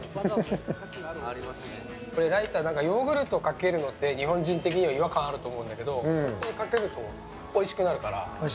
ライタにヨーグルトをかけるのって日本人的には違和感があると思うんだけどこれをかけるとおいしくなるから。